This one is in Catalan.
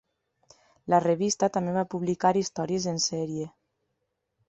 La revista també va publicar històries en sèrie.